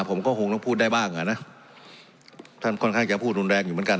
ผมก็คงต้องพูดได้บ้างอ่ะนะท่านค่อนข้างจะพูดรุนแรงอยู่เหมือนกัน